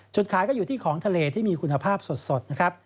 ขายก็อยู่ที่ของทะเลที่มีคุณภาพสดนะครับ